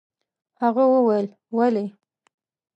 هغه وويل: ولې؟